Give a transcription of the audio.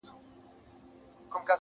بس ده ه د غزل الف و با مي کړه.